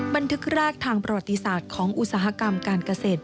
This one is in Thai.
บันทึกแรกทางประวัติศาสตร์ของอุตสาหกรรมการเกษตร